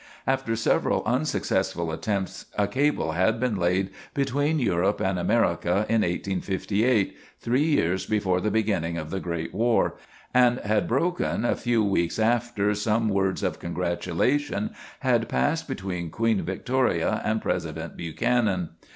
After several unsuccessful attempts, a cable had been laid between Europe and America in 1858, three years before the beginning of the great war, and had broken a few weeks after some words of congratulation had passed between Queen Victoria and President Buchanan.